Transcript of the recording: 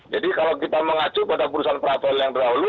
jadi kalau kita mengacu pada putusan prafail yang terdahulu